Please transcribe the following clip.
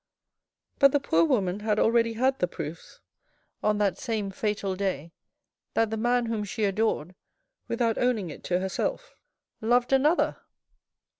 But the poor woman had already had the proofs on that same fatal day that the man whom she adored, without owning it to herself, loved another